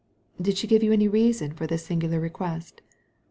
"Did she give any reason for this singular request?"